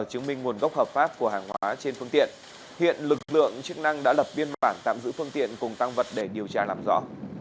chứng minh nguồn gốc hợp pháp của hàng hóa trên phương tiện hiện lực lượng chức năng đã lập biên bản tạm giữ phương tiện cùng tăng vật để điều tra làm rõ